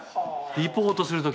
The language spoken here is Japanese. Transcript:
リポートする時。